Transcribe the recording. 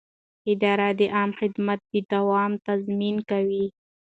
اداره د عامه خدمت د دوام تضمین کوي.